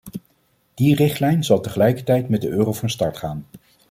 Die richtlijn zal tegelijkertijd met de euro van start gaan.